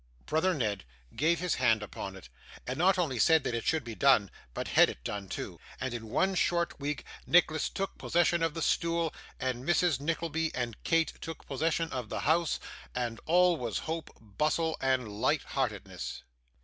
Brother Ned gave his hand upon it, and not only said it should be done, but had it done too; and, in one short week, Nicholas took possession of the stool, and Mrs. Nickleby and Kate took possession of the house, and all was hope, bustle, and light heartedness.